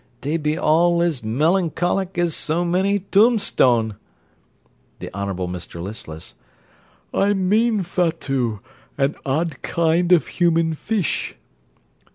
Dey be all as melancholic as so many tombstone. THE HONOURABLE MR LISTLESS I mean, Fatout, an odd kind of human fish.